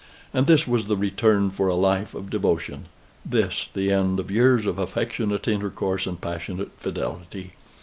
And this was the return for a life of devotion this the end of years of affectionate intercourse and passionate fidelity!